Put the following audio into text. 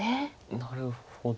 なるほど。